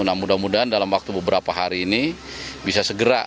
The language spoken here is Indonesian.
nah mudah mudahan dalam waktu beberapa hari ini bisa segera